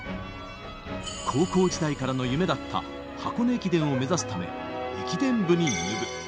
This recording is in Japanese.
高校時代からの夢だった箱根駅伝を目指すため、駅伝部に入部。